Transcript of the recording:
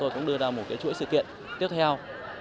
cũng đưa ra một chuỗi sự kiện tiếp theo